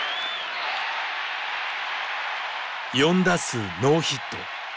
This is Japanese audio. ４打数ノーヒット。